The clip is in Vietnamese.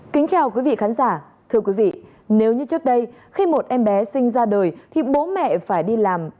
kính chào quý vị khán giả thưa quý vị nếu như trước đây khi một em bé sinh ra đời thì bố mẹ phải đi làm